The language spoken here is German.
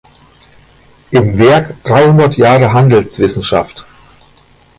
Im Werk „Dreihundert Jahre Handelswissenschaft.